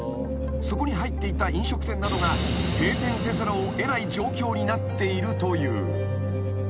［そこに入っていた飲食店などが閉店せざるを得ない状況になっているという］